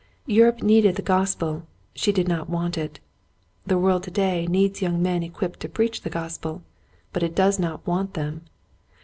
Europe needed the Gospel — she did not want it. The world to day needs young men equipped to preach the Gospel, but it does not want them.